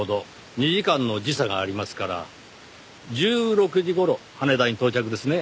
２時間の時差がありますから１６時頃羽田に到着ですね。